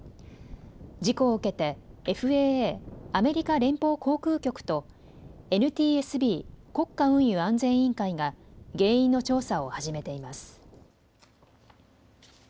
事故を受けてＦＡＡ・アメリカ連邦航空局と、ＮＴＳＢ・国家運輸安全委員会が原因の調査を始めています。